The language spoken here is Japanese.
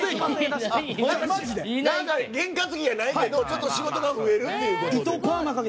験担ぎやないけどちょっと仕事が増えるということで。